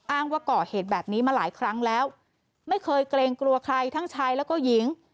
ว่าก่อเหตุแบบนี้มาหลายครั้งแล้วไม่เคยเกรงกลัวใครทั้งชายแล้วก็หญิง